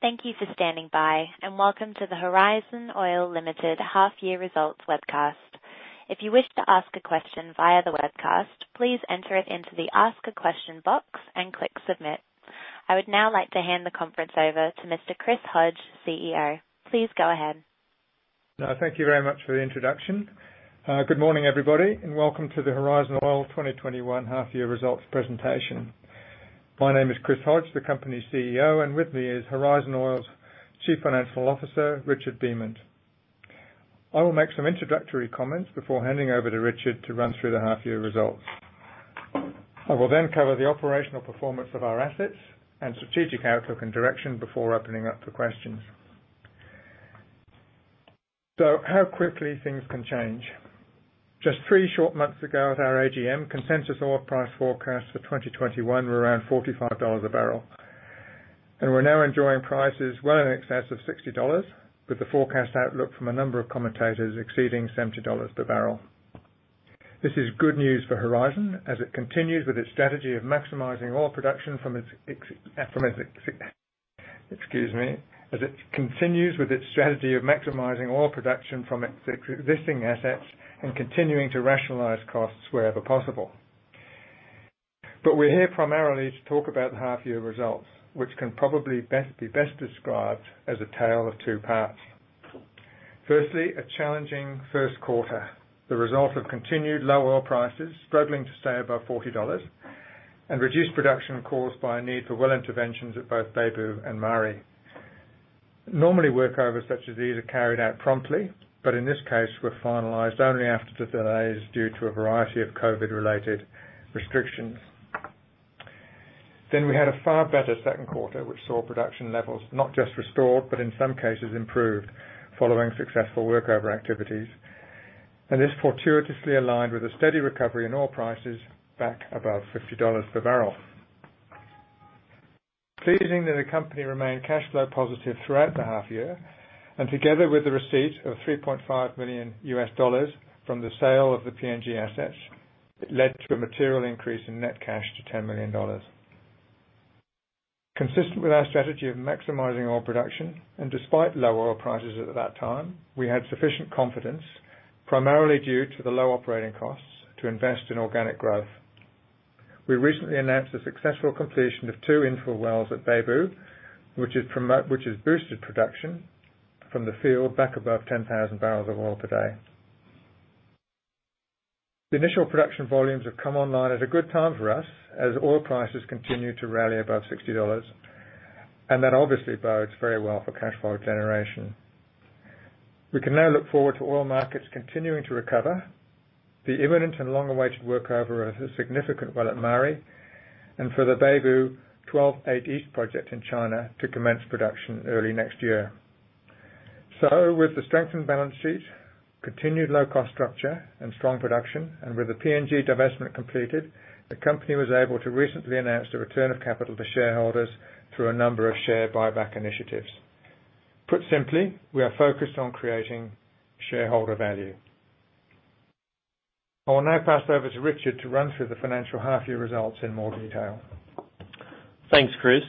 Thank you for standing by, and welcome to the Horizon Oil Limited Half-Year Results Webcast. If you wish to ask a question via the webcast, please enter it into the Ask a Question box and click Submit. I would now like to hand the conference over to Mr. Chris Hodge, CEO. Please go ahead. Thank you very much for the introduction. Good morning, everybody, and welcome to the Horizon Oil 2021 Half-Year Results presentation. My name is Chris Hodge, the company's CEO, and with me is Horizon Oil's Chief Financial Officer, Richard Beament. I will make some introductory comments before handing over to Richard to run through the half-year results. I will then cover the operational performance of our assets and strategic outlook and direction before opening up to questions. How quickly things can change. Just three short months ago at our AGM, consensus oil price forecasts for 2021 were around $45 a barrel, and we're now enjoying prices well in excess of $60, with the forecast outlook from a number of commentators exceeding $70 per barrel. This is good news for Horizon as it continues with its strategy of maximizing oil production from its existing assets and continuing to rationalize costs wherever possible. We're here primarily to talk about the half year results, which can probably be best described as a tale of two parts. Firstly, a challenging first quarter, the result of continued low oil prices struggling to stay above $40 and reduced production caused by a need for well interventions at both Beibu and Maari. Normally, workovers such as these are carried out promptly, but in this case, were finalized only after delays due to a variety of COVID-related restrictions. We had a far better second quarter, which saw production levels not just restored, but in some cases improved following successful workover activities. This fortuitously aligned with a steady recovery in oil prices back above $50 per barrel. Pleasing that the company remained cash flow positive throughout the half year, and together with the receipt of $3.5 million from the sale of the PNG assets, it led to a material increase in net cash to $10 million. Consistent with our strategy of maximizing oil production, and despite low oil prices at that time, we had sufficient confidence, primarily due to the low operating costs, to invest in organic growth. We recently announced the successful completion of two infill wells at Beibu, which has boosted production from the field back above 10,000 barrels of oil per day. The initial production volumes have come online at a good time for us as oil prices continue to rally above $60. That obviously bodes very well for cash flow generation. We can now look forward to oil markets continuing to recover, the imminent and long-awaited workover of a significant well at Maari, and for the Beibu WZ12-8E project in China to commence production early next year. With the strengthened balance sheet, continued low-cost structure, and strong production, and with the PNG divestment completed, the company was able to recently announce the return of capital to shareholders through a number of share buyback initiatives. Put simply, we are focused on creating shareholder value. I will now pass over to Richard to run through the financial half year results in more detail. Thanks, Chris.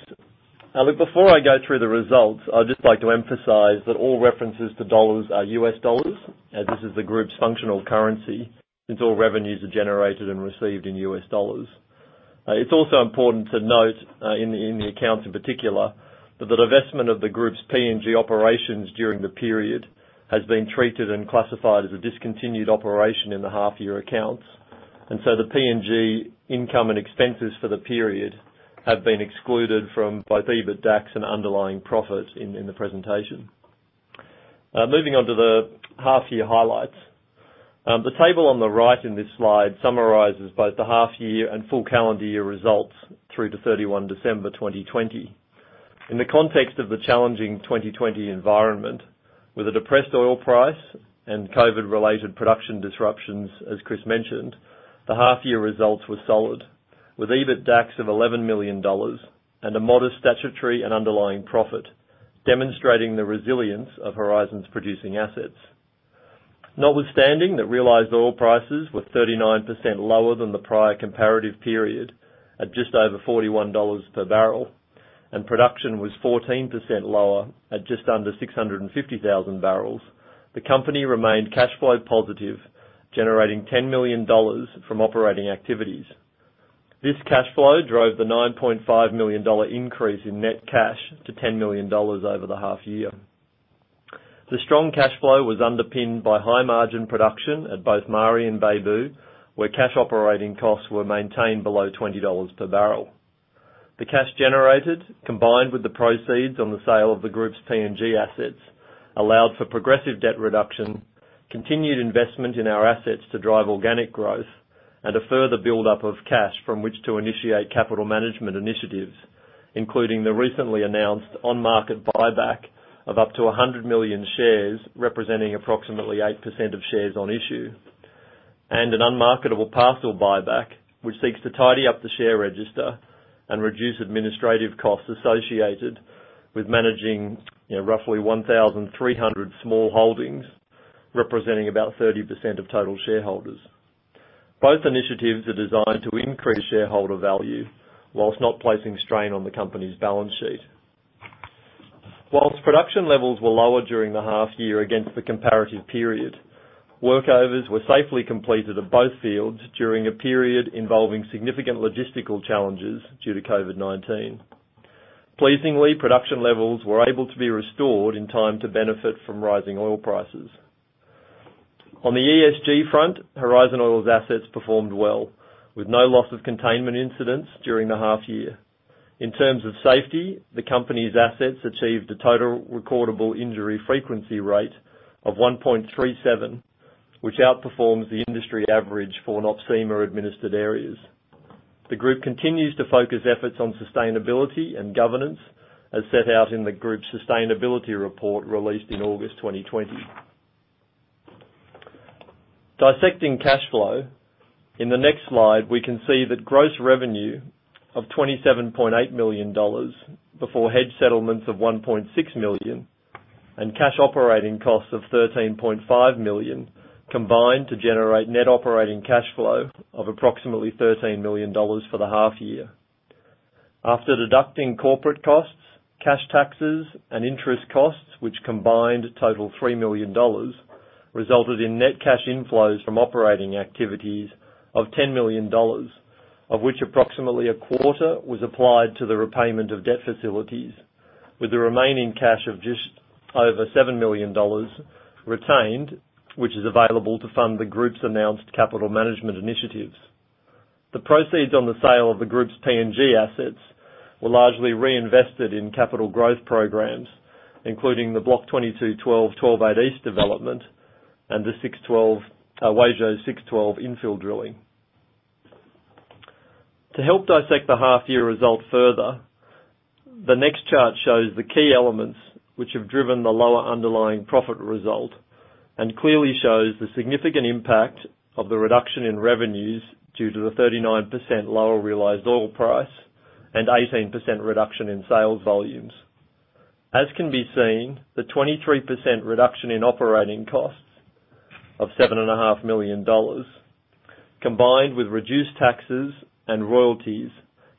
Now, look, before I go through the results, I'd just like to emphasize that all references to dollars are US dollars, as this is the group's functional currency, since all revenues are generated and received in US dollars. It's also important to note, in the accounts in particular, that the divestment of the group's PNG operations during the period has been treated and classified as a discontinued operation in the half year accounts. The PNG income and expenses for the period have been excluded from both EBITDAX and underlying profit in the presentation. Moving on to the half year highlights. The table on the right in this slide summarizes both the half year and full calendar year results through to 31 December 2020. In the context of the challenging 2020 environment, with a depressed oil price and COVID-related production disruptions, as Chris mentioned, the half-year results were solid, with EBITDAX of $11 million and a modest statutory and underlying profit, demonstrating the resilience of Horizon's producing assets. Notwithstanding that realized oil prices were 39% lower than the prior comparative period at just over $41 per barrel and production was 14% lower at just under 650,000 barrels, the company remained cash flow positive, generating $10 million from operating activities. This cash flow drove the $9.5 million increase in net cash to $10 million over the half-year. The strong cash flow was underpinned by high-margin production at both Maari and Beibu, where cash operating costs were maintained below $20 per barrel. The cash generated, combined with the proceeds on the sale of the group's PNG assets, allowed for progressive debt reduction, continued investment in our assets to drive organic growth, and a further buildup of cash from which to initiate capital management initiatives, including the recently announced on-market buyback of up to 100 million shares, representing approximately 8% of shares on issue, and an unmarketable parcel buyback, which seeks to tidy up the share register and reduce administrative costs associated with managing roughly 1,300 small holdings, representing about 30% of total shareholders. Both initiatives are designed to increase shareholder value whilst not placing strain on the company's balance sheet. Whilst production levels were lower during the half year against the comparative period, workovers were safely completed at both fields during a period involving significant logistical challenges due to COVID-19. Pleasingly, production levels were able to be restored in time to benefit from rising oil prices. On the ESG front, Horizon Oil's assets performed well, with no loss of containment incidents during the half-year. In terms of safety, the company's assets achieved a total recordable injury frequency rate of 1.37, which outperforms the industry average for NOPSEMA-administered areas. The group continues to focus efforts on sustainability and governance, as set out in the group's sustainability report released in August 2020. Dissecting cash flow. In the next slide, we can see that gross revenue of $27.8 million before hedge settlements of $1.6 million and cash operating costs of $13.5 million, combined to generate net operating cash flow of approximately $13 million for the half year. After deducting corporate costs, cash taxes, and interest costs, which combined total $3 million, resulted in net cash inflows from operating activities of $10 million. Of which approximately a quarter was applied to the repayment of debt facilities, with the remaining cash of just over $7 million retained, which is available to fund the group's announced capital management initiatives. The proceeds on the sale of the group's PNG assets were largely reinvested in capital growth programs, including the Block 22/12 WZ12-8E development and the WZ 6-12 infill drilling. To help dissect the half-year results further, the next chart shows the key elements which have driven the lower underlying profit result, and clearly shows the significant impact of the reduction in revenues due to the 39% lower realized oil price and 18% reduction in sales volumes. As can be seen, the 23% reduction in operating costs of $7.5 million, combined with reduced taxes and royalties,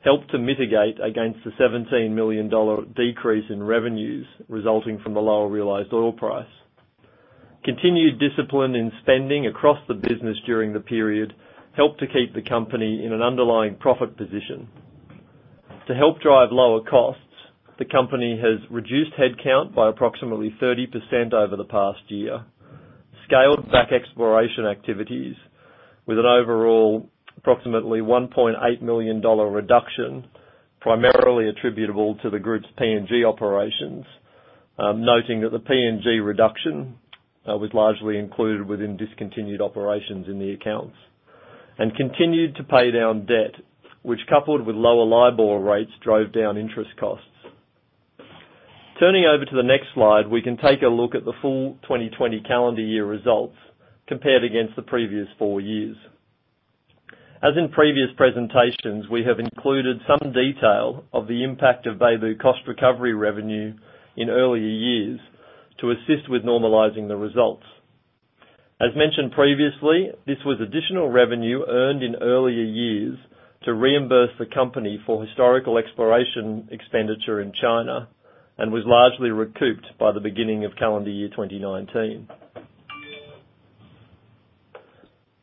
helped to mitigate against the $17 million decrease in revenues resulting from the lower realized oil price. Continued discipline in spending across the business during the period helped to keep the company in an underlying profit position. To help drive lower costs, the company has reduced headcount by approximately 30% over the past year, scaled back exploration activities with an overall approximately $1.8 million reduction, primarily attributable to the group's PNG operations. Noting that the PNG reduction was largely included within discontinued operations in the accounts. Continued to pay down debt, which coupled with lower LIBOR rates, drove down interest costs. Turning over to the next slide, we can take a look at the full 2020 calendar year results compared against the previous four years. As in previous presentations, we have included some detail of the impact of Beibu cost recovery revenue in earlier years to assist with normalizing the results. As mentioned previously, this was additional revenue earned in earlier years to reimburse the company for historical exploration expenditure in China, and was largely recouped by the beginning of calendar year 2019.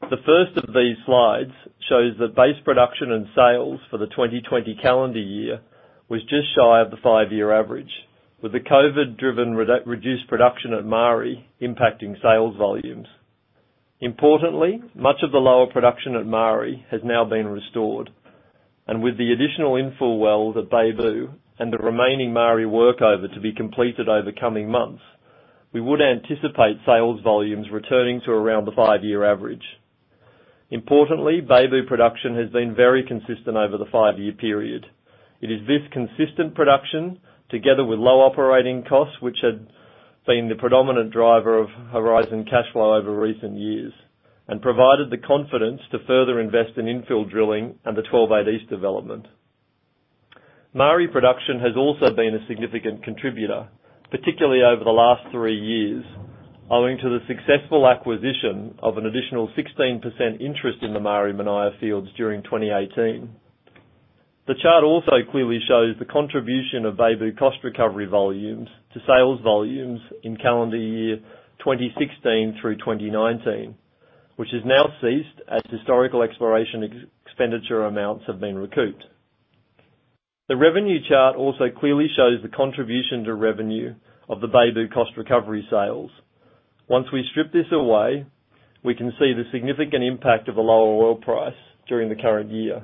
The first of these slides shows that base production and sales for the 2020 calendar year was just shy of the five-year average, with the COVID-driven reduced production at Maari impacting sales volumes. Importantly, much of the lower production at Maari has now been restored. With the additional infill well at Beibu and the remaining Maari workover to be completed over coming months, we would anticipate sales volumes returning to around the five-year average. Importantly, Beibu production has been very consistent over the five-year period. It is this consistent production, together with low operating costs, which had been the predominant driver of Horizon cash flow over recent years, and provided the confidence to further invest in infill drilling and the WZ12-8E development. Maari production has also been a significant contributor, particularly over the last three years, owing to the successful acquisition of an additional 16% interest in the Maari-Manaia fields during 2018. The chart also clearly shows the contribution of Beibu cost recovery volumes to sales volumes in calendar year 2016 through 2019, which has now ceased as historical exploration expenditure amounts have been recouped. The revenue chart also clearly shows the contribution to revenue of the Beibu cost recovery sales. Once we strip this away, we can see the significant impact of the lower oil price during the current year.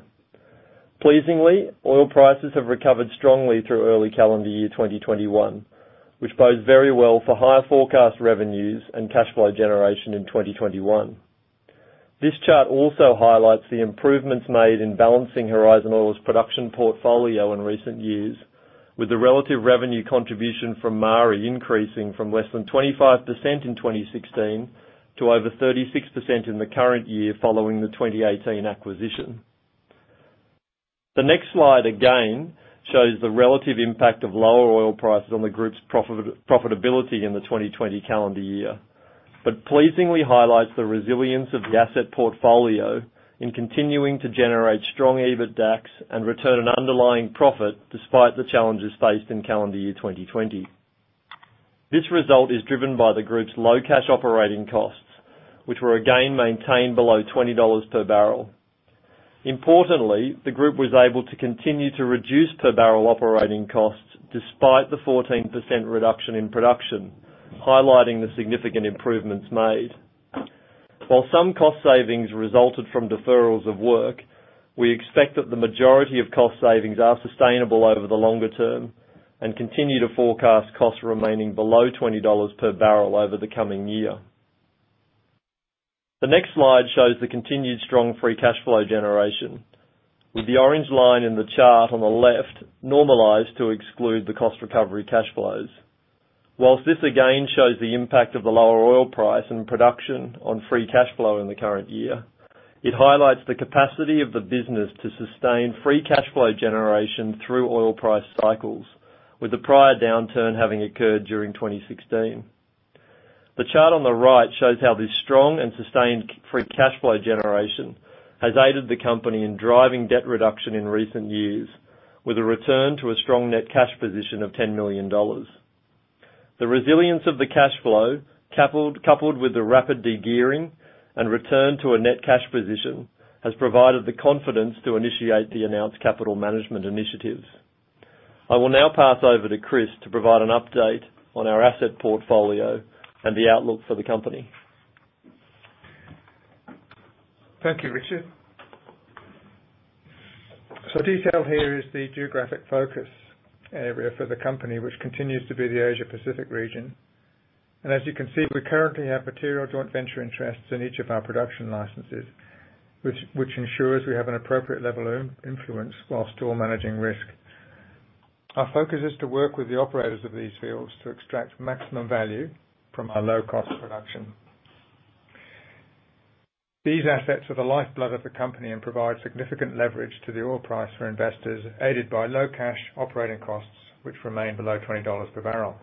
Pleasingly, oil prices have recovered strongly through early calendar year 2021, which bodes very well for higher forecast revenues and cash flow generation in 2021. This chart also highlights the improvements made in balancing Horizon Oil's production portfolio in recent years, with the relative revenue contribution from Maari increasing from less than 25% in 2016 to over 36% in the current year following the 2018 acquisition. The next slide again shows the relative impact of lower oil prices on the group's profitability in the 2020 calendar year. Pleasingly highlights the resilience of the asset portfolio in continuing to generate strong EBITDAX and return an underlying profit despite the challenges faced in calendar year 2020. This result is driven by the group's low cash operating costs, which were again maintained below $20 per barrel. Importantly, the group was able to continue to reduce per barrel operating costs despite the 14% reduction in production, highlighting the significant improvements made. While some cost savings resulted from deferrals of work, we expect that the majority of cost savings are sustainable over the longer term and continue to forecast costs remaining below $20 per barrel over the coming year. The next slide shows the continued strong free cash flow generation, with the orange line in the chart on the left normalized to exclude the cost recovery cash flows. Whilst this again shows the impact of the lower oil price and production on free cash flow in the current year, it highlights the capacity of the business to sustain free cash flow generation through oil price cycles, with the prior downturn having occurred during 2016. The chart on the right shows how this strong and sustained free cash flow generation has aided the company in driving debt reduction in recent years, with a return to a strong net cash position of $10 million. The resilience of the cash flow, coupled with the rapid de-gearing and return to a net cash position, has provided the confidence to initiate the announced capital management initiatives. I will now pass over to Chris to provide an update on our asset portfolio and the outlook for the company. Thank you, Richard. Detailed here is the geographic focus area for the company, which continues to be the Asia Pacific region. As you can see, we currently have material joint venture interests in each of our production licenses, which ensures we have an appropriate level of influence whilst still managing risk. Our focus is to work with the operators of these fields to extract maximum value from our low cost production. These assets are the lifeblood of the company and provide significant leverage to the oil price for investors, aided by low cash operating costs, which remain below $20 per barrel.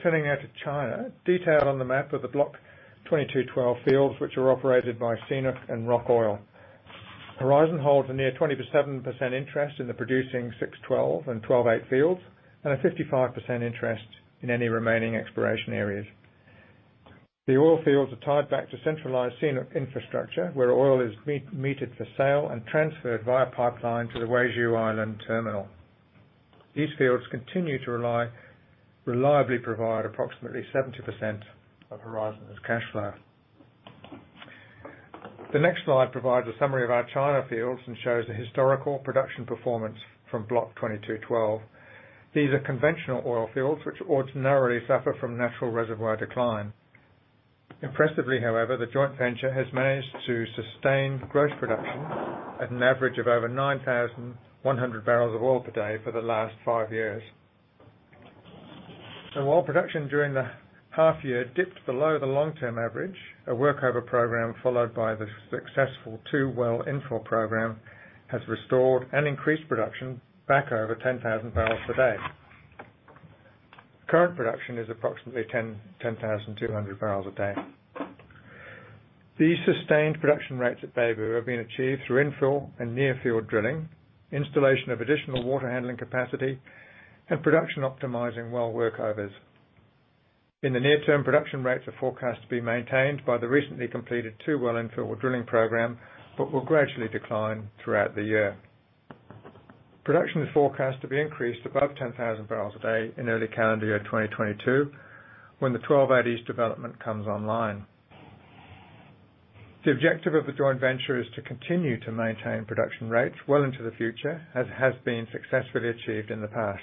Turning now to China. Detailed on the map are the Block 22/12 fields, which are operated by CNOOC and Roc Oil. Horizon holds a near 27% interest in the producing 6-12 and 12-8 fields, and a 55% interest in any remaining exploration areas. The oil fields are tied back to centralized CNOOC infrastructure, where oil is meted for sale and transferred via pipeline to the Weizhou Island terminal. These fields continue to reliably provide approximately 70% of Horizon's cash flow. The next slide provides a summary of our China fields and shows the historical production performance from Block 22/12. These are conventional oil fields which ordinarily suffer from natural reservoir decline. Impressively, however, the joint venture has managed to sustain gross production at an average of over 9,100 barrels of oil per day for the last five years. While production during the half year dipped below the long-term average, a workover program followed by the successful two well infill program has restored and increased production back over 10,000 barrels per day. Current production is approximately 10,200 barrels a day. These sustained production rates at Beibu have been achieved through infill and near field drilling, installation of additional water handling capacity, and production optimizing well workovers. In the near term, production rates are forecast to be maintained by the recently completed two well infill drilling program, but will gradually decline throughout the year. Production is forecast to be increased above 10,000 barrels a day in early calendar year 2022, when the 12-8 East development comes online. The objective of the joint venture is to continue to maintain production rates well into the future, as has been successfully achieved in the past.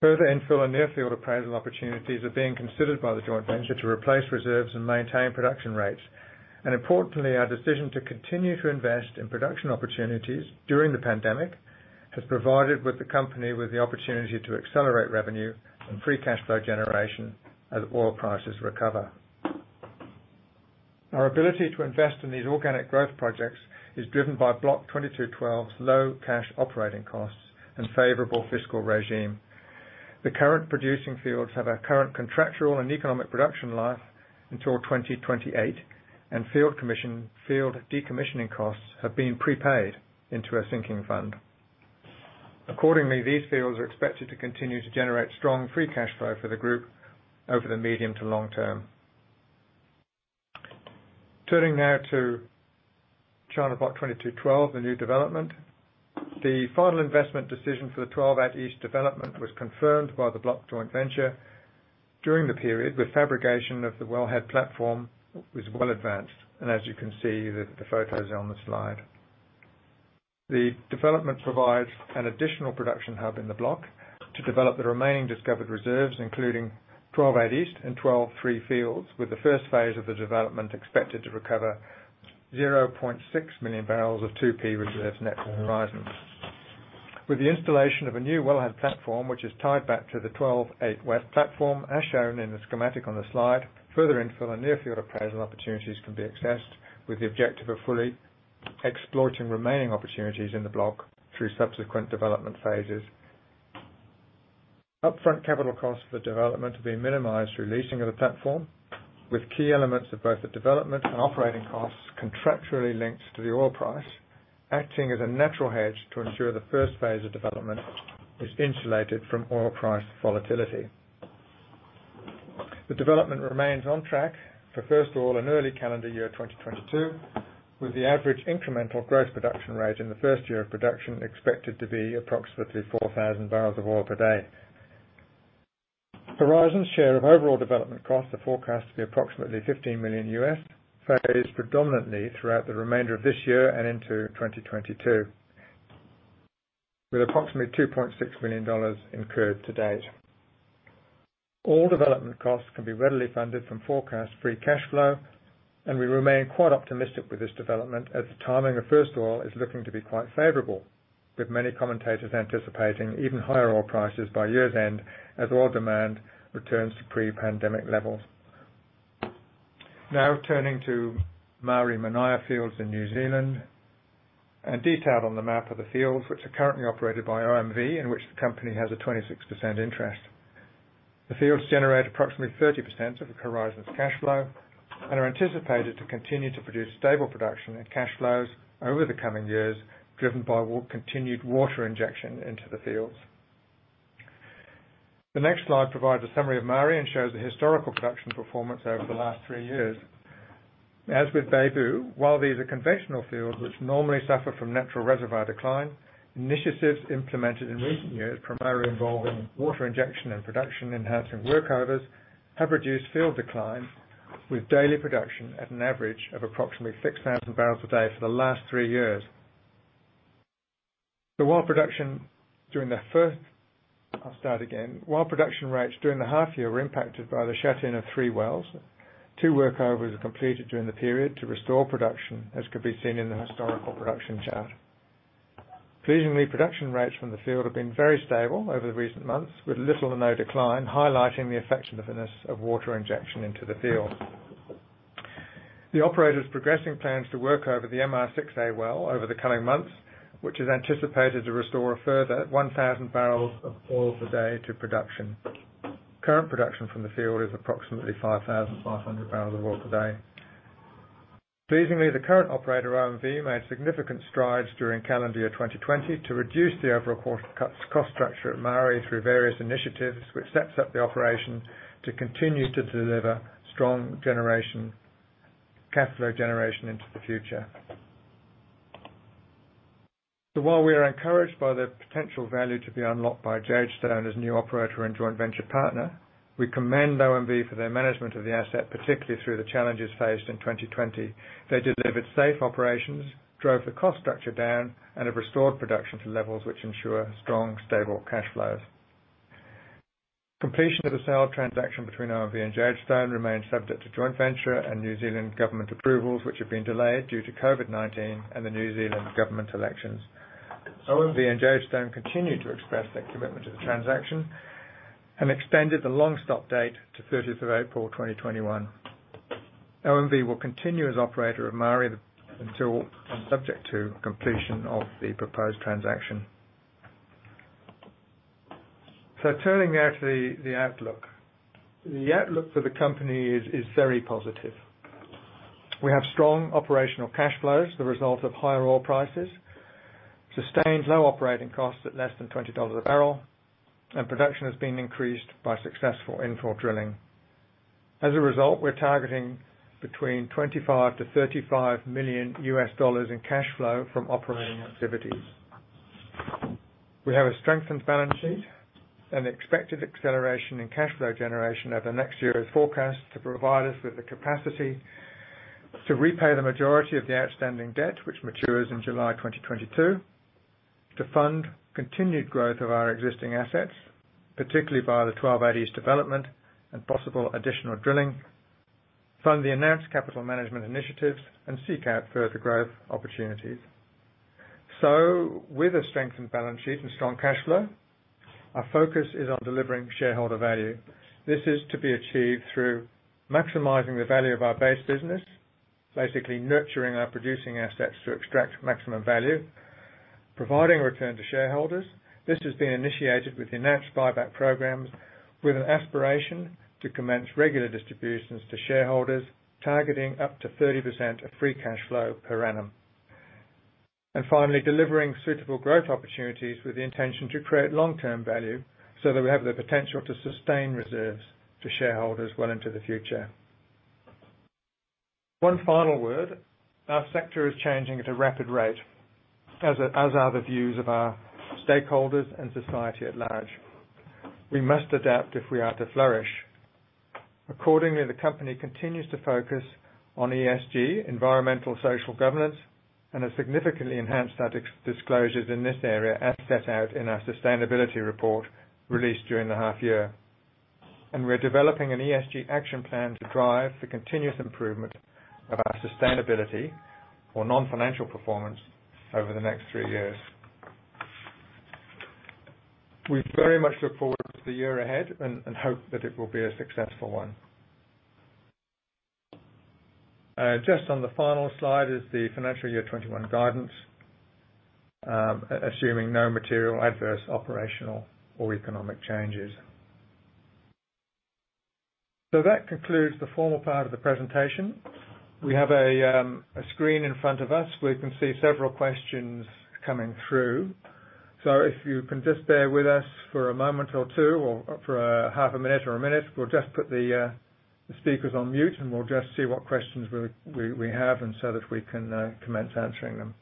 Further infill and near field appraisal opportunities are being considered by the joint venture to replace reserves and maintain production rates. Importantly, our decision to continue to invest in production opportunities during the pandemic has provided the company with the opportunity to accelerate revenue and free cash flow generation as oil prices recover. Our ability to invest in these organic growth projects is driven by Block 22/12's low cash operating costs and favorable fiscal regime. The current producing fields have a current contractual and economic production life until 2028, and field decommissioning costs have been prepaid into a sinking fund. Accordingly, these fields are expected to continue to generate strong free cash flow for the group over the medium to long term. Turning now to China Block 22/12, the new development. The final investment decision for the 12-8 East development was confirmed by the block joint venture during the period, with fabrication of the wellhead platform was well advanced, and as you can see the photos are on the slide. The development provides an additional production hub in the block to develop the remaining discovered reserves, includingv 12-8E and 12-3 fields, with the first phase of the development expected to recover 0.6 million barrels of 2P reserves net to Horizon. With the installation of a new wellhead platform, which is tied back to the 12-8 West platform, as shown in the schematic on the slide, further infill and near-field appraisal opportunities can be accessed with the objective of fully exploiting remaining opportunities in the block through subsequent development phases. Upfront capital costs for development have been minimized through leasing of the platform, with key elements of both the development and operating costs contractually linked to the oil price, acting as a natural hedge to ensure the first phase of development is insulated from oil price volatility. The development remains on track for first oil in early calendar year 2022, with the average incremental gross production rate in the first year of production expected to be approximately 4,000 barrels of oil per day. Horizon Oil's share of overall development costs are forecast to be approximately $15 million, phased predominantly throughout the remainder of this year and into 2022, with approximately $2.6 million incurred to date. All development costs can be readily funded from forecast free cash flow. We remain quite optimistic with this development as the timing of first oil is looking to be quite favorable, with many commentators anticipating even higher oil prices by year's end as oil demand returns to pre-pandemic levels. Turning to Maari and Manaia fields in New Zealand, Detailed on the map are the fields which are currently operated by OMV, in which the company has a 26% interest. The fields generate approximately 30% of Horizon's cash flow and are anticipated to continue to produce stable production and cash flows over the coming years, driven by continued water injection into the fields. The next slide provides a summary of Maari and shows the historical production performance over the last three years. As with Beibu, while these are conventional fields which normally suffer from natural reservoir decline, initiatives implemented in recent years, primarily involving water injection and production-enhancing workovers, have reduced field decline, with daily production at an average of approximately 6,000 barrels a day for the last three years. While production rates during the half year were impacted by the shut-in of three wells, two workovers were completed during the period to restore production, as can be seen in the historical production chart. Pleasingly, production rates from the field have been very stable over the recent months, with little or no decline, highlighting the effectiveness of water injection into the field. The operator is progressing plans to work over the MR-6A well over the coming months, which is anticipated to restore a further 1,000 barrels of oil per day to production. Current production from the field is approximately 5,500 barrels of oil per day. Pleasingly, the current operator, OMV, made significant strides during calendar year 2020 to reduce the overall cost structure at Maari through various initiatives, which sets up the operation to continue to deliver strong cash flow generation into the future. While we are encouraged by the potential value to be unlocked by Jadestone as new operator and joint venture partner, we commend OMV for their management of the asset, particularly through the challenges faced in 2020. They delivered safe operations, drove the cost structure down, and have restored production to levels which ensure strong, stable cash flows. Completion of the sale transaction between OMV and Jadestone Energy remains subject to joint venture and New Zealand government approvals, which have been delayed due to Covid-19 and the New Zealand government elections. OMV and Jadestone Energy continue to express their commitment to the transaction and extended the long stop date to 30th of April 2021. OMV will continue as operator of Maari until and subject to completion of the proposed transaction. Turning now to the outlook. The outlook for the company is very positive. We have strong operational cash flows as the result of higher oil prices, sustained low operating costs at less than $20 a barrel, and production has been increased by successful infill drilling. We're targeting between $25 million to $35 million US in cash flow from operating activities. We have a strengthened balance sheet and expected acceleration in cash flow generation over the next year is forecast to provide us with the capacity to repay the majority of the outstanding debt, which matures in July 2022, to fund continued growth of our existing assets, particularly via the 12-8E development and possible additional drilling, fund the announced capital management initiatives, and seek out further growth opportunities. With a strengthened balance sheet and strong cash flow, our focus is on delivering shareholder value. This is to be achieved through maximizing the value of our base business, basically nurturing our producing assets to extract maximum value. Providing return to shareholders. This has been initiated with the announced buyback programs, with an aspiration to commence regular distributions to shareholders targeting up to 30% of free cash flow per annum. Finally, delivering suitable growth opportunities with the intention to create long-term value so that we have the potential to sustain reserves to shareholders well into the future. One final word. Our sector is changing at a rapid rate, as are the views of our stakeholders and society at large. We must adapt if we are to flourish. Accordingly, the company continues to focus on ESG, environmental social governance, and has significantly enhanced our disclosures in this area as set out in our sustainability report released during the half year. We're developing an ESG action plan to drive the continuous improvement of our sustainability or non-financial performance over the next 3 years. We very much look forward to the year ahead and hope that it will be a successful one. Just on the final slide is the financial year 2021 guidance, assuming no material adverse operational or economic changes. That concludes the formal part of the presentation. We have a screen in front of us. We can see several questions coming through. If you can just bear with us for a moment or two or for a half a minute or a minute, we'll just put the speakers on mute, and we'll just see what questions we have and so that we can commence answering them.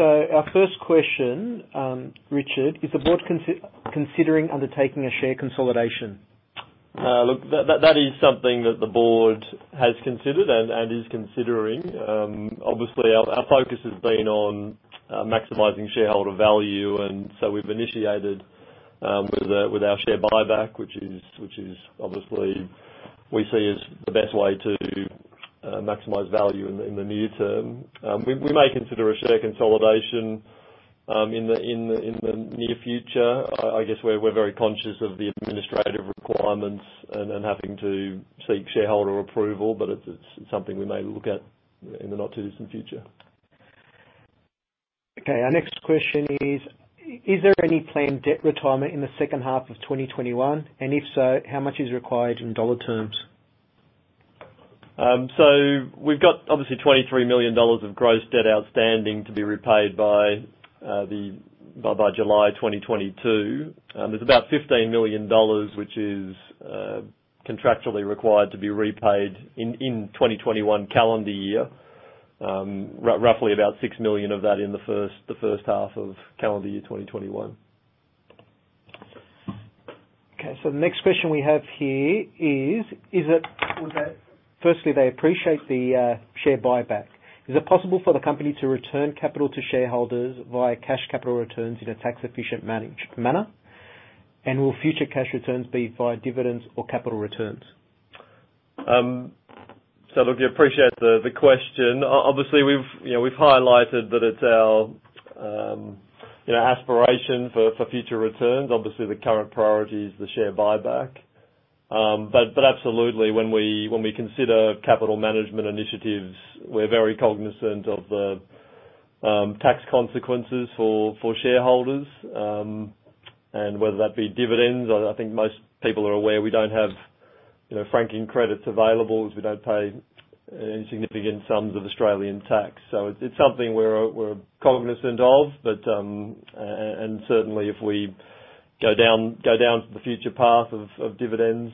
Our first question, Richard, is the Board considering undertaking a share consolidation? Look, that is something that the Board has considered and is considering. Obviously, our focus has been on maximizing shareholder value, and so we've initiated with our share buyback, which obviously we see as the best way to maximize value in the near term. We may consider a share consolidation in the near future. I guess we're very conscious of the administrative requirements and having to seek shareholder approval, but it's something we may look at in the not-too-distant future. Okay. Our next question is: Is there any planned debt retirement in the second half of 2021? If so, how much is required in dollar terms? We've got obviously $23 million of gross debt outstanding to be repaid by July 2022. There's about $15 million, which is contractually required to be repaid in 2021 calendar year. Roughly about $6 million of that in the first half of calendar year 2021. Okay, the next question we have here is, firstly, they appreciate the share buyback. Is it possible for the company to return capital to shareholders via cash capital returns in a tax-efficient manner? Will future cash returns be via dividends or capital returns? Look, we appreciate the question. Obviously, we've highlighted that it's our aspiration for future returns. Obviously, the current priority is the share buyback. Absolutely, when we consider capital management initiatives, we're very cognizant of the tax consequences for shareholders, and whether that be dividends. I think most people are aware we don't have franking credits available, as we don't pay any significant sums of Australian tax. It's something we're cognizant of, and certainly if we go down the future path of dividends,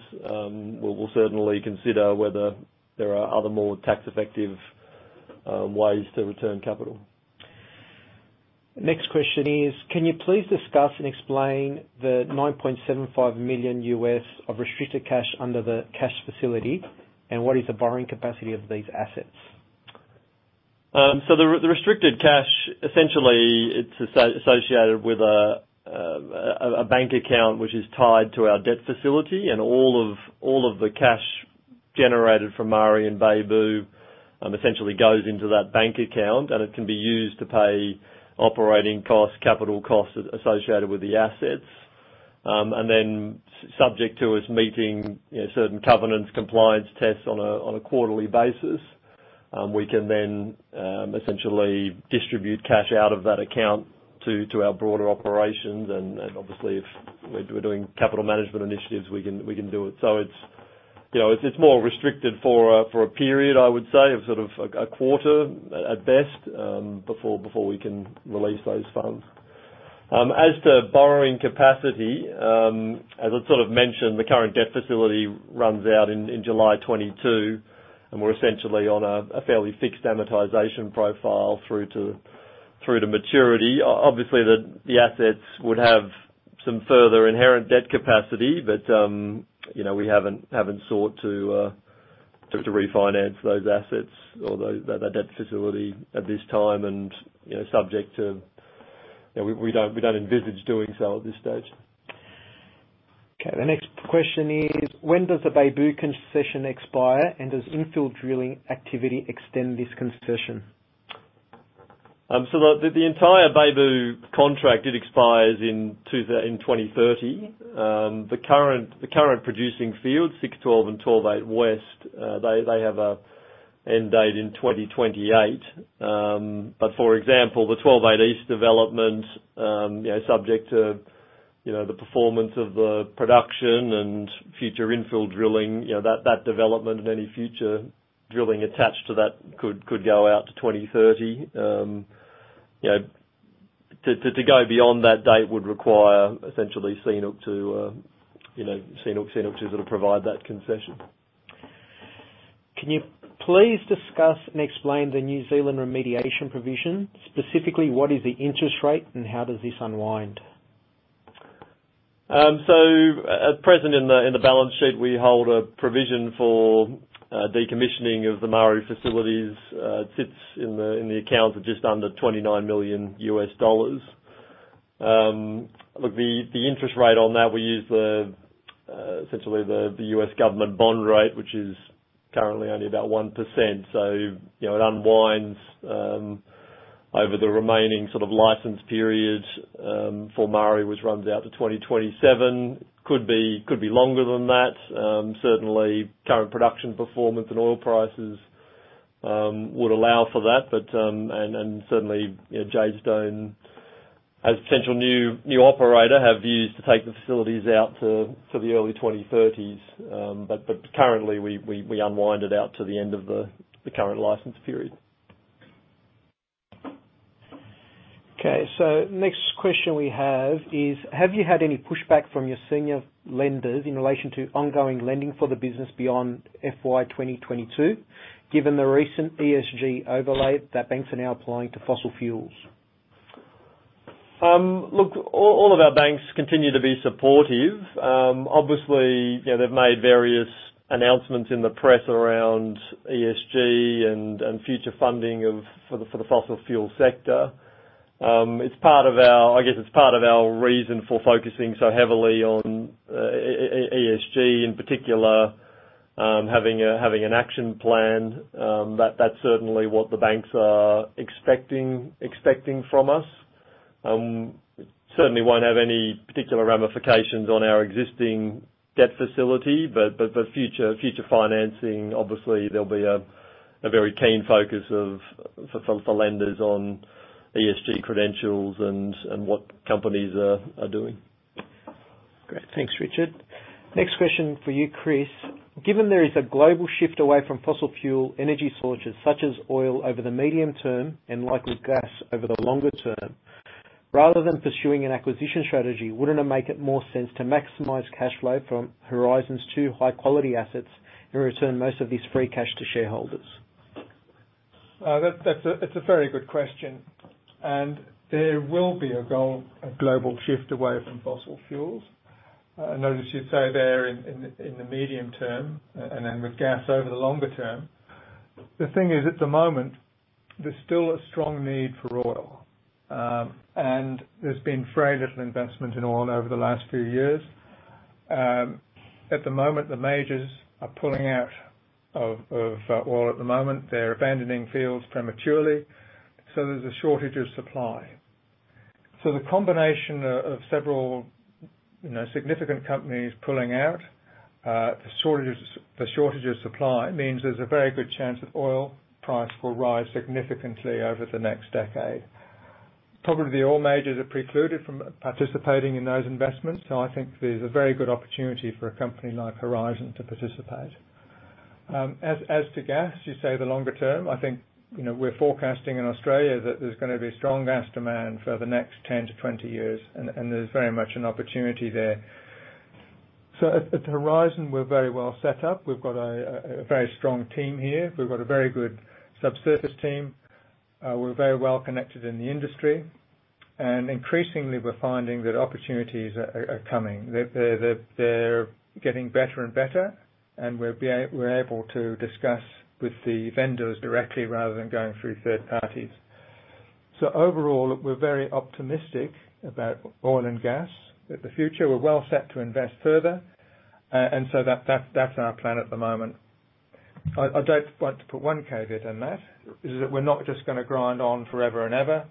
we'll certainly consider whether there are other more tax-effective ways to return capital. Next question is: Can you please discuss and explain the $9.75 million of restricted cash under the cash facility, and what is the borrowing capacity of these assets? The restricted cash, essentially, it's associated with a bank account, which is tied to our debt facility and all of the cash generated from Maari and Beibu essentially goes into that bank account, and it can be used to pay operating costs, capital costs associated with the assets. Subject to us meeting certain covenants compliance tests on a quarterly basis. We can then essentially distribute cash out of that account to our broader operations. Obviously, if we're doing capital management initiatives, we can do it. It's more restricted for a period, I would say, of sort of a quarter at best, before we can release those funds. As to borrowing capacity, as I sort of mentioned, the current debt facility runs out in July 2022, and we're essentially on a fairly fixed amortization profile through to maturity. Obviously, the assets would have some further inherent debt capacity, but we haven't sought to refinance those assets or that debt facility at this time. We don't envisage doing so at this stage. Okay, the next question is: when does the Beibu concession expire, and does infill drilling activity extend this concession? The entire Beibu contract, it expires in 2030. The current producing fields, 6-12 and 12-8 West, they have an end date in 2028. For example, the 12-8 East development, subject to the performance of the production and future infill drilling, that development and any future drilling attached to that could go out to 2030. To go beyond that date would require essentially CNOOC to sort of provide that concession. Can you please discuss and explain the New Zealand remediation provision? Specifically, what is the interest rate, and how does this unwind? At present in the balance sheet, we hold a provision for decommissioning of the Maari facilities. It sits in the accounts of just under $29 million. Look, the interest rate on that, we use essentially the U.S. government bond rate, which is currently only about 1%. It unwinds over the remaining sort of license period for Maari, which runs out to 2027. Could be longer than that. Certainly, current production performance and oil prices would allow for that. Certainly, Jadestone, as potential new operator, have views to take the facilities out to the early 2030s. Currently, we unwind it out to the end of the current license period. Okay. Next question we have is, Have you had any pushback from your senior lenders in relation to ongoing lending for the business beyond FY 2022, given the recent ESG overlay that banks are now applying to fossil fuels? All of our banks continue to be supportive. They've made various announcements in the press around ESG and future funding for the fossil fuel sector. I guess it's part of our reason for focusing so heavily on ESG, in particular, having an action plan. That's certainly what the banks are expecting from us. Certainly won't have any particular ramifications on our existing debt facility, but for future financing, obviously, there'll be a very keen focus of the lenders on ESG credentials and what companies are doing. Great. Thanks, Richard. Next question for you, Chris. Given there is a global shift away from fossil fuel energy sources such as oil over the medium term and likely gas over the longer term, rather than pursuing an acquisition strategy, wouldn't it make more sense to maximize cash flow from Horizon Oil's two high-quality assets and return most of this free cash to shareholders? That's a very good question, and there will be a global shift away from fossil fuels. Notice you say there in the medium term and then with gas over the longer term. The thing is, at the moment, there's still a strong need for oil. There's been very little investment in oil over the last few years. At the moment, the majors are pulling out of oil at the moment. They're abandoning fields prematurely. There's a shortage of supply. The combination of several significant companies pulling out, the shortage of supply means there's a very good chance that oil price will rise significantly over the next decade. Probably all majors are precluded from participating in those investments. I think there's a very good opportunity for a company like Horizon to participate. As to gas, you say the longer term, I think, we're forecasting in Australia that there's going to be strong gas demand for the next 10 to 20 years, and there's very much an opportunity there. At Horizon, we're very well set up. We've got a very strong team here. We've got a very good subsurface team. We're very well connected in the industry, and increasingly, we're finding that opportunities are coming. They're getting better and better, and we're able to discuss with the vendors directly rather than going through third parties. Overall, we're very optimistic about oil and gas. That the future, we're well set to invest further. That's our plan at the moment. I don't want to put one caveat in that, is that we're not just gonna grind on forever and ever.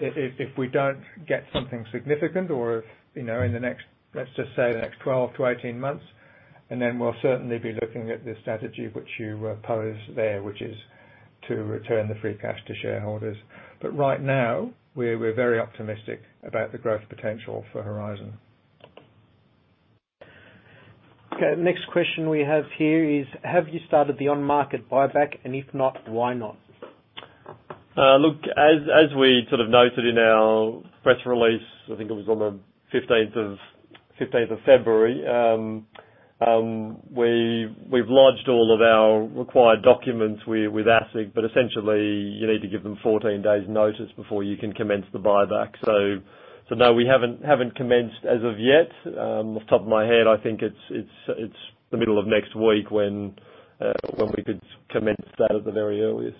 If we don't get something significant or if in the next, let's just say, the next 12 to 18 months, and then we'll certainly be looking at the strategy which you pose there, which is to return the free cash to shareholders. Right now, we're very optimistic about the growth potential for Horizon. The next question we have here is: have you started the on-market buyback, and if not, why not? Look, as we sort of noted in our press release, I think it was on the 15th of February, we've lodged all of our required documents with ASIC. Essentially, you need to give them 14 days notice before you can commence the buyback. No, we haven't commenced as of yet. Off the top of my head, I think it's the middle of next week when we could commence that at the very earliest.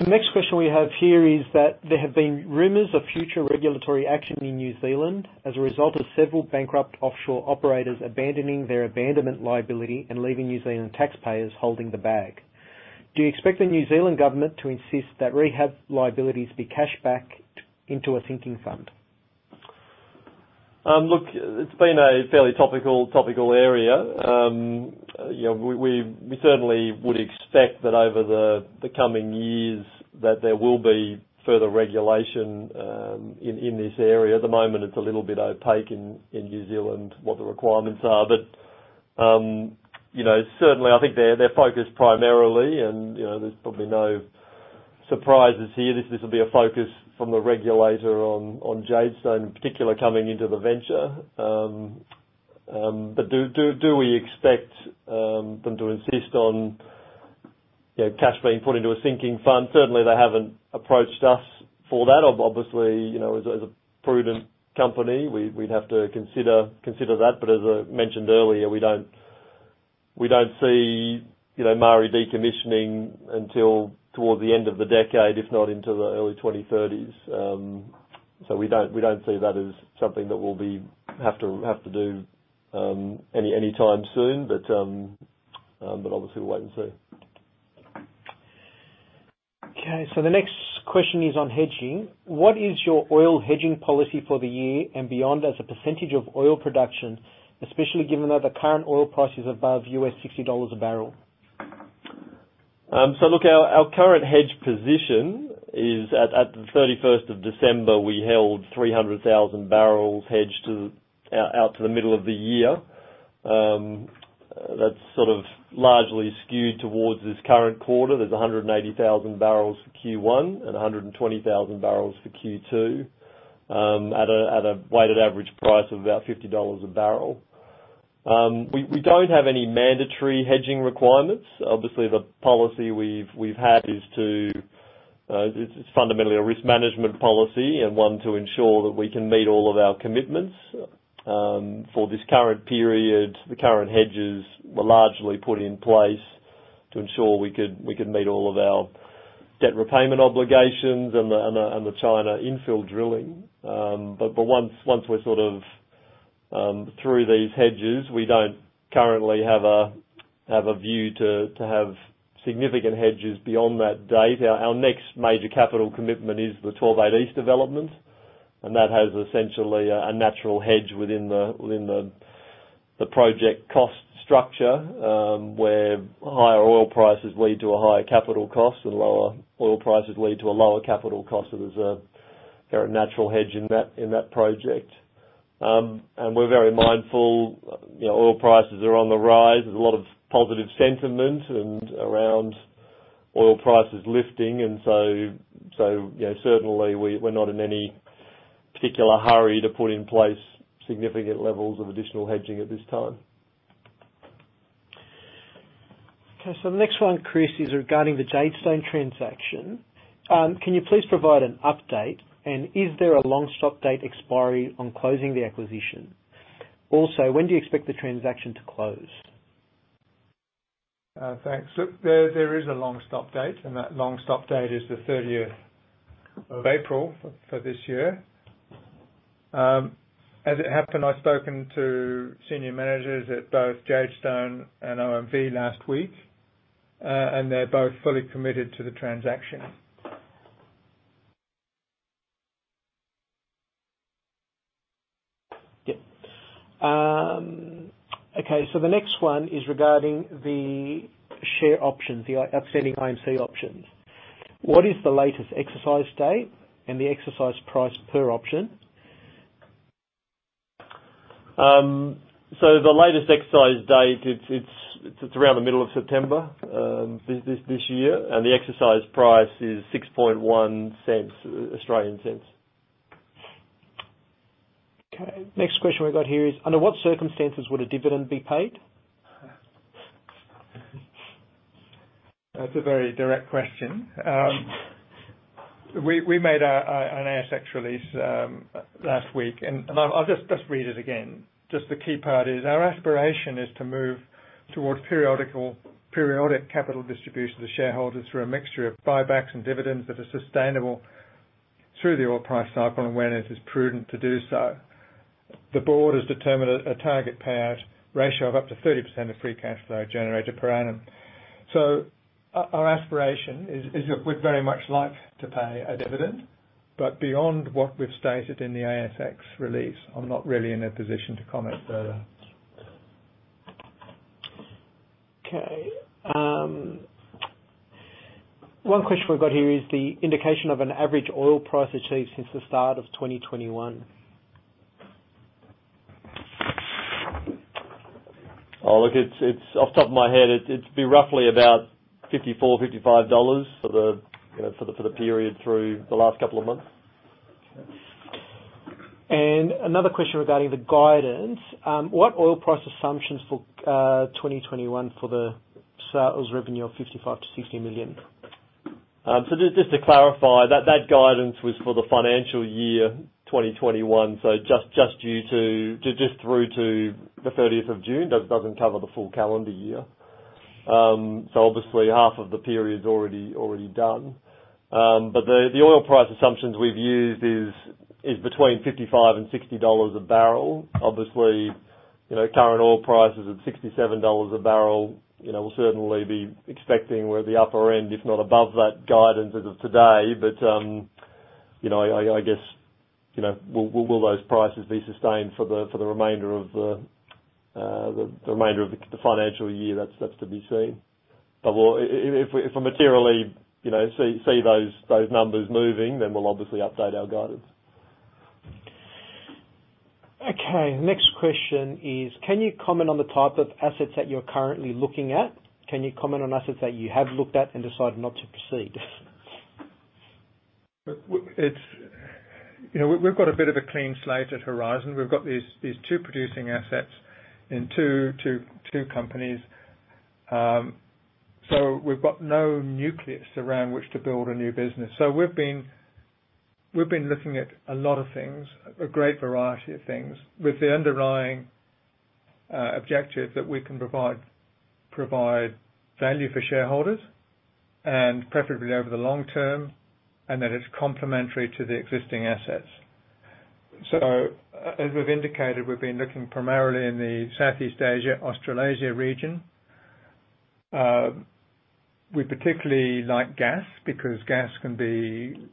The next question we have here is that there have been rumors of future regulatory action in New Zealand as a result of several bankrupt offshore operators abandoning their abandonment liability and leaving New Zealand taxpayers holding the bag. Do you expect the New Zealand government to insist that rehab liabilities be cashed back into a sinking fund? Look, it's been a fairly topical area. We certainly would expect that over the coming years, that there will be further regulation in this area. At the moment, it's a little bit opaque in New Zealand what the requirements are. Certainly, I think they're focused primarily, and there's probably no surprises here. This will be a focus from the regulator on Jadestone, in particular, coming into the venture. Do we expect them to insist on cash being put into a sinking fund? Certainly, they haven't approached us for that. Obviously, as a prudent company, we'd have to consider that. As I mentioned earlier, we don't see Maari decommissioning until toward the end of the decade, if not into the early 2030s. We don't see that as something that we'll have to do any time soon. Obviously, we'll wait and see. Okay, the next question is on hedging. What is your oil hedging policy for the year and beyond as a % of oil production, especially given that the current oil price is above $60 a barrel? Look, our current hedge position is at the 31st of December, we held 300,000 barrels hedged out to the middle of the year. That's sort of largely skewed towards this current quarter. There's 180,000 barrels for Q1 and 120,000 barrels for Q2 at a weighted average price of about $50 a barrel. We don't have any mandatory hedging requirements. Obviously, the policy we've had is fundamentally a risk management policy and one to ensure that we can meet all of our commitments. For this current period, the current hedges were largely put in place to ensure we could meet all of our debt repayment obligations and the China infill drilling. Once we're sort of through these hedges, we don't currently have a view to have significant hedges beyond that date. Our next major capital commitment is the WZ12-8E development, and that has essentially a natural hedge within the project cost structure, where higher oil prices lead to a higher capital cost and lower oil prices lead to a lower capital cost. There's a very natural hedge in that project. We're very mindful oil prices are on the rise. There's a lot of positive sentiment around oil prices lifting, and so certainly, we're not in any particular hurry to put in place significant levels of additional hedging at this time. Okay. The next one, Chris, is regarding the Jadestone transaction. Can you please provide an update, and is there a long stop date expiry on closing the acquisition? When do you expect the transaction to close? Thanks. Look, there is a long stop date, and that long stop date is the 30th of April for this year. As it happened, I've spoken to senior managers at both Jadestone and OMV last week, and they're both fully committed to the transaction. Yeah. Okay, the next one is regarding the share options, the outstanding IMC options. What is the latest exercise date and the exercise price per option? The latest exercise date, it's around the middle of September this year, and the exercise price is 0.061. Okay. Next question we got here is, under what circumstances would a dividend be paid? That's a very direct question. We made an ASX release last week, and I'll just read it again. Just the key part is our aspiration is to move towards periodic capital distribution to shareholders through a mixture of buybacks and dividends that are sustainable through the oil price cycle and when it is prudent to do so. The Board has determined a target payout ratio of up to 30% of free cash flow generated per annum. Our aspiration is we'd very much like to pay a dividend, but beyond what we've stated in the ASX release, I'm not really in a position to comment further. Okay. One question we've got here is the indication of an average oil price achieved since the start of 2021. Look, off the top of my head, it'd be roughly about $54, $55 for the period through the last couple of months. Another question regarding the guidance. What oil price assumptions for 2021 for the sales revenue of $55 million-$60 million? Just to clarify, that guidance was for the financial year 2021. Just through to the 30th of June. That doesn't cover the full calendar year. Obviously, half of the period is already done. The oil price assumptions we've used is between $55 and $60 a barrel. Obviously, current oil prices of $67 a barrel. We'll certainly be expecting we're at the upper end, if not above that guidance as of today. I guess, will those prices be sustained for the remainder of the financial year? That's to be seen. If we materially see those numbers moving, then we'll obviously update our guidance. Next question is, can you comment on the type of assets that you're currently looking at? Can you comment on assets that you have looked at and decided not to proceed? We've got a bit of a clean slate at Horizon. We've got these two producing assets in two companies. We've got no nucleus around which to build a new business. We've been looking at a lot of things, a great variety of things, with the underlying objective that we can provide value for shareholders and preferably over the long term, and that it's complementary to the existing assets. As we've indicated, we've been looking primarily in the Southeast Asia, Australasia region. We particularly like gas because gas can be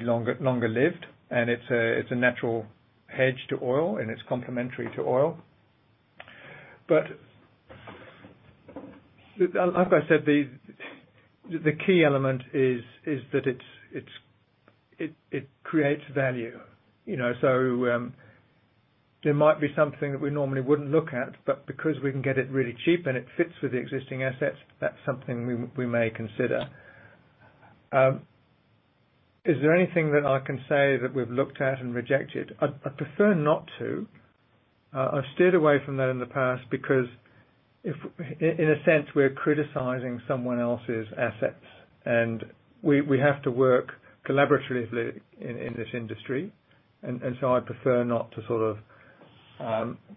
longer lived, and it's a natural hedge to oil, and it's complementary to oil. Like I said, the key element is that it creates value. There might be something that we normally wouldn't look at, but because we can get it really cheap and it fits with the existing assets, that's something we may consider. Is there anything that I can say that we've looked at and rejected? I'd prefer not to. I've steered away from that in the past because, in a sense, we're criticizing someone else's assets, and we have to work collaboratively in this industry. I prefer not to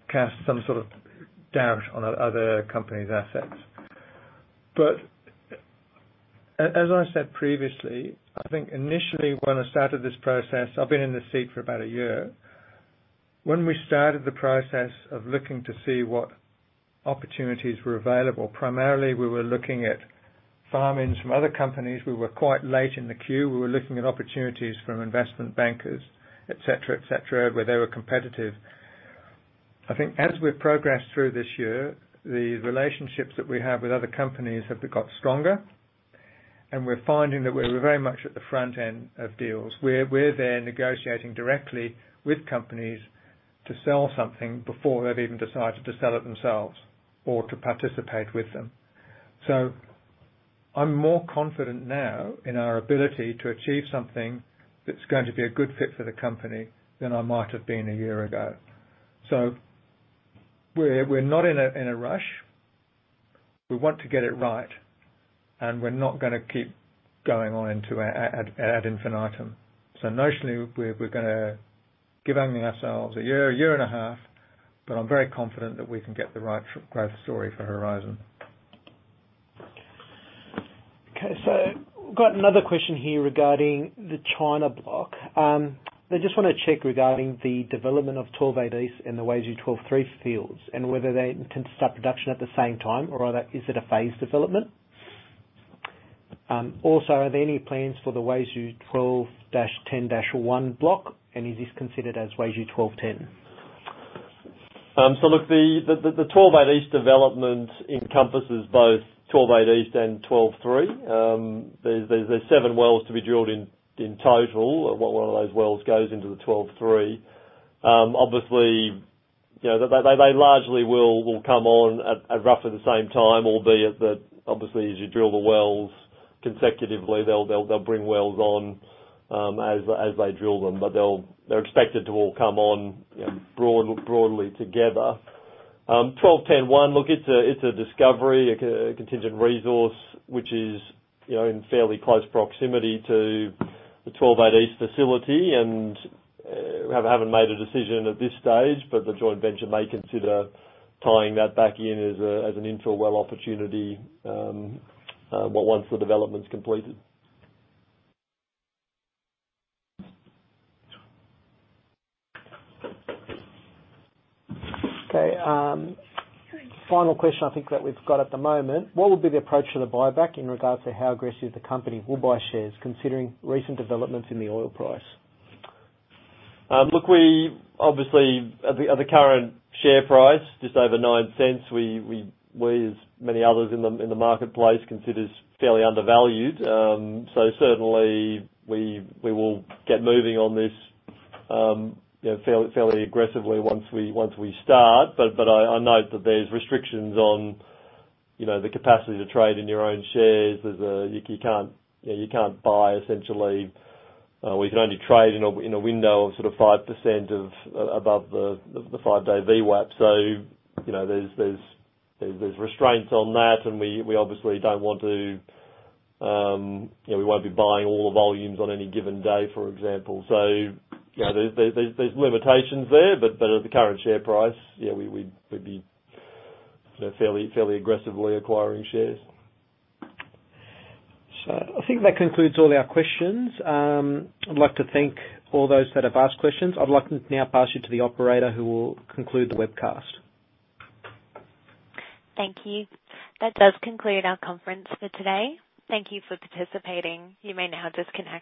cast some sort of doubt on other company's assets. As I said previously, I think initially when I started this process, I've been in this seat for about a year. When we started the process of looking to see what opportunities were available, primarily we were looking at farm-ins from other companies. We were quite late in the queue. We were looking at opportunities from investment bankers, et cetera, et cetera, where they were competitive. I think as we progressed through this year, the relationships that we have with other companies have got stronger, and we're finding that we're very much at the front end of deals. We're there negotiating directly with companies to sell something before they've even decided to sell it themselves or to participate with them. I'm more confident now in our ability to achieve something that's going to be a good fit for the company than I might have been a year ago. We're not in a rush. We want to get it right, and we're not going to keep going on to ad infinitum. Notionally, we're going to give only ourselves a year, a year and a half, but I'm very confident that we can get the right growth story for Horizon. Okay, got another question here regarding the China block. They just want to check regarding the development of 12-8E and the WZ 12-3 fields, and whether they can start production at the same time or is it a phased development? Also, are there any plans for the WZ 12-10-1 block, and is this considered as WZ 12-10? Look, the WZ12-8E development encompasses both WZ 12-8E and WZ 12-3. There's seven wells to be drilled in total. One of those wells goes into the WZ 12-3. Obviously, they largely will come on at roughly the same time, albeit that obviously as you drill the wells consecutively, they'll bring wells on as they drill them. They're expected to all come on broadly together. WZ 12-10-1, look, it's a discovery, a contingent resource, which is in fairly close proximity to the WZ12-8E facility. We haven't made a decision at this stage, but the joint venture may consider tying that back in as an infill well opportunity once the development's completed. Okay. Final question I think that we've got at the moment. What will be the approach for the buyback in regards to how aggressive the company will buy shares, considering recent developments in the oil price? Look, we obviously, at the current share price, just over 0.09, we as many others in the marketplace consider this fairly undervalued. Certainly, we will get moving on this fairly aggressively once we start. I note that there's restrictions on the capacity to trade in your own shares. You can't buy essentially. We can only trade in a window of 5% above the five-day VWAP. There's restraints on that, and we won't be buying all the volumes on any given day, for example. There's limitations there, but at the current share price, we'd be fairly aggressively acquiring shares. I think that concludes all our questions. I'd like to thank all those that have asked questions. I'd like to now pass you to the operator, who will conclude the webcast. Thank you. That does conclude our conference for today. Thank you for participating. You may now disconnect.